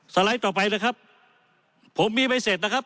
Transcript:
ไลด์ต่อไปเลยครับผมมีใบเสร็จนะครับ